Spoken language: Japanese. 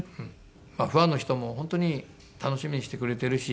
ファンの人も本当に楽しみにしてくれてるし。